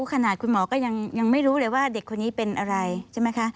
ขนาดคุณหมอก็ยังไม่รู้เลยว่าเด็กคนนี้เป็นอะไรใช่ไหมคะ